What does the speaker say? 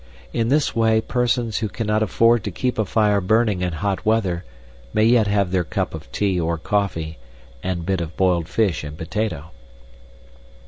In this way persons who cannot afford to keep a fire burning in hot weather may yet have their cup of tea or coffee and bit of boiled fish and potato.